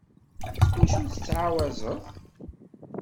S wacu tettɛawazeḍ?